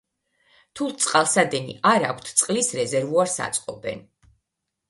თუ წყალსადენი არა აქვთ, წყლის რეზერვუარს აწყობენ.